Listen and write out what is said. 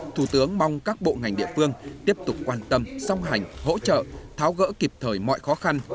thủ tướng mong các bộ ngành địa phương tiếp tục quan tâm song hành hỗ trợ tháo gỡ kịp thời mọi khó khăn